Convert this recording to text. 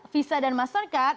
visa dan mastercard